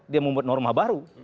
dia membuat norma baru